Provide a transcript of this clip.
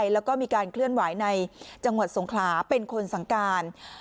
แล้วก็มีการเคลื่อนไหวในจังหวัดสงขลาเป็นคนสั่งการ